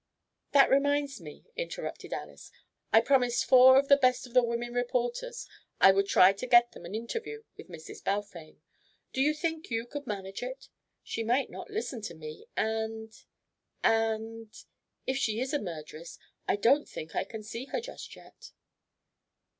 "That reminds me," interrupted Alys. "I promised four of the best of the women reporters I would try to get them an interview with Mrs. Balfame. Do you think you could manage it? She might not listen to me. And and if she is a murderess, I don't think I can see her just yet."